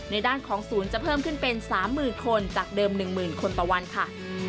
ด้านของศูนย์จะเพิ่มขึ้นเป็น๓๐๐๐คนจากเดิม๑๐๐๐คนต่อวันค่ะ